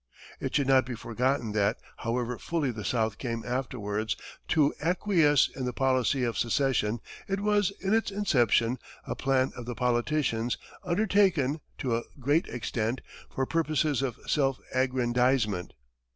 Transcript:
It should not be forgotten that, however fully the South came afterwards to acquiesce in the policy of secession, it was, in its inception, a plan of the politicians, undertaken, to a great extent, for purposes of self aggrandizement.